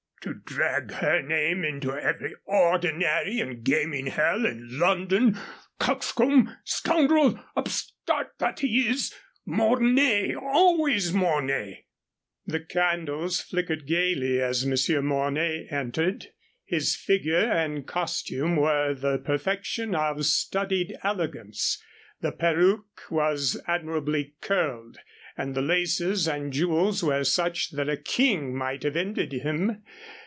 To drag her name into every ordinary and gaming hell in London! Coxcomb! scoundrel! upstart that he is! Mornay, always Mornay " The candles flickered gayly as Monsieur Mornay entered. His figure and costume were the perfection of studied elegance. The perruque was admirably curled, and the laces and jewels were such that a king might have envied him.